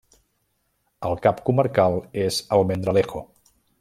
El cap comarcal és Almendralejo.